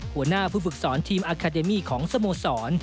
หัวหน้าผู้ฝึกสอนทีมอาคาเดมี่ของสโมสร